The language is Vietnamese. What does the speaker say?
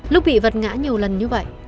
lúc bị vật ngã nhiều lần như vậy